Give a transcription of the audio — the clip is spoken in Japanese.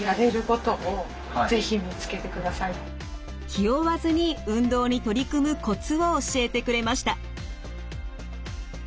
気負わずに運動に取り組むコツを教えてくれました。